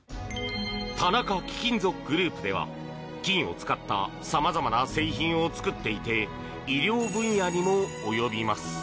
田中貴金属グループでは金を使った様々な製品を作っていて医療分野にも及びます。